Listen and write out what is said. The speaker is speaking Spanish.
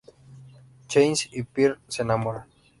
Chance y Pearl se enamoran.